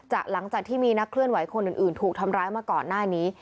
หลังจากที่มีนักเคลื่อนไหวคนอื่นถูกทำร้ายมาก่อนหน้านี้